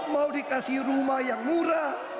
mau dikasih rumah yang murah